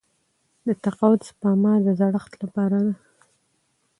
د تقاعد سپما د زړښت لپاره ده.